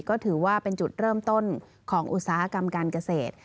ก็ถือว่าเป็นจุดเริ่มต้นของอุตสาหกรรมการเกษตร